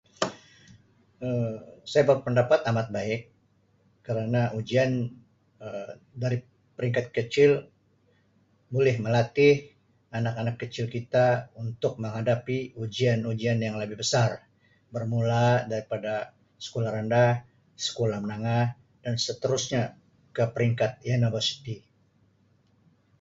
Um Saya berpandapat amat baik kerana Um ujian Um dari peringkat kecil boleh malatih anak-anak kecil kita untuk menghadapi ujian-ujian yang lebih besar bermula daripada sekolah rendah, sekolah menengah dan seterusnya ke peringkat universiti.